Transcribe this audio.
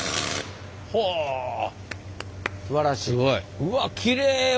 うわっきれいわ。